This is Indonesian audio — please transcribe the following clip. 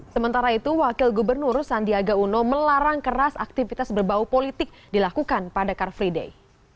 sementara itu wakil gubernur sandiaga uno melarang keras aktivitas berbau politik dilakukan pada car free day